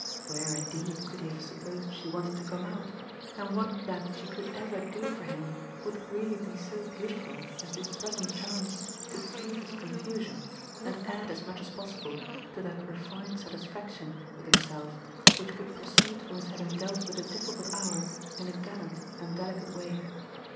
Where indeed could he have supposed she wanted to come out, and what that she could ever do for him would really be so beautiful as this present chance to smooth his confusion and add as much as possible to that refined satisfaction with himself which would proceed from his having dealt with a difficult hour in a gallant and delicate way?